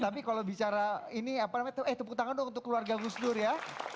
tapi kalau bicara ini apa namanya eh tepuk tangan dong untuk keluarga gus dur ya